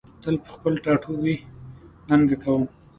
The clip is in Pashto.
تل په خپل ټاټوبي ننګه کوم